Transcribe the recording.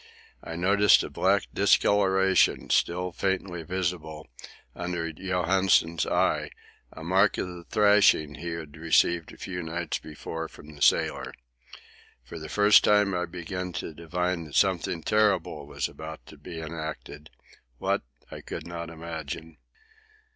I noticed a black discoloration, still faintly visible, under Johansen's eye, a mark of the thrashing he had received a few nights before from the sailor. For the first time I began to divine that something terrible was about to be enacted,—what, I could not imagine.